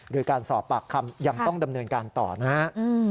โดยการสอบปากคำยังต้องดำเนินการต่อนะฮะ